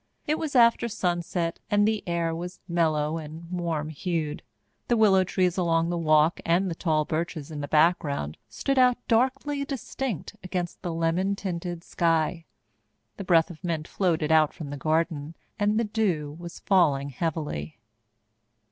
It was after sunset, and the air was mellow and warm hued. The willow trees along the walk and the tall birches in the background stood out darkly distinct against the lemon tinted sky. The breath of mint floated out from the garden, and the dew was falling heavily.